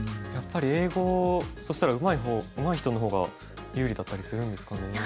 やっぱり英語そしたらうまい人の方が有利だったりするんですかね。